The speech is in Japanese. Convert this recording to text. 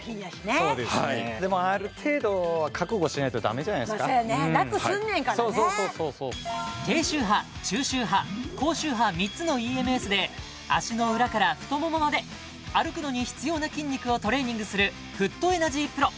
でもある程度は覚悟しないとダメじゃないすかそうやね楽すんねんからねそうそうそうそうそう足の裏から太ももまで歩くのに必要な筋肉をトレーニングするフットエナジーＰＲＯ